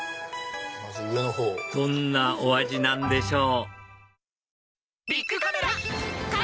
どんなお味なんでしょう？